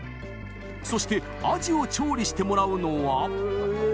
そしてアジを調理してもらうのは。